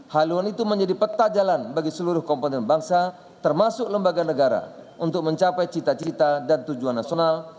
haluan itu menjadi peta jalan bagi seluruh komponen bangsa termasuk lembaga negara untuk mencapai cita cita dan tujuan nasional